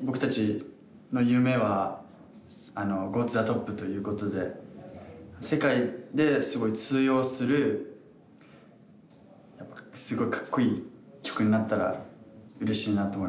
僕たちの夢はＧｏｔｏｔｈｅＴＯＰということで世界ですごい通用するすごいかっこいい曲になったらうれしいなと思います。